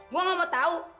gue nggak mau tau